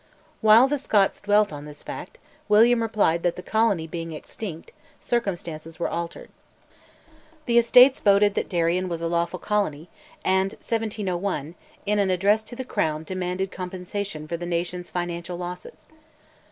While the Scots dwelt on this fact, William replied that the colony being extinct, circumstances were altered. The Estates voted that Darien was a lawful colony, and (1701) in an address to the Crown demanded compensation for the nation's financial losses.